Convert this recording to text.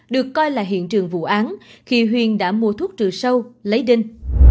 được coi là hiện trường vụ án khi huyên đã mua thuốc trừ sâu lấy đinh